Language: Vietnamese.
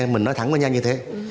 mình nói thẳng với nhau như thế